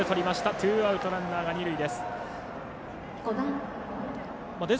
ツーアウト、ランナーが二塁です。